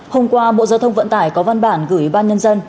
hôm qua bộ giao thông vận tải có văn bản gửi ban nhân dân